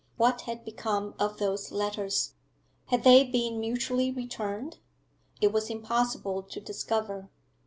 What had become of those letters? Had they been mutually returned? It was impossible to discover.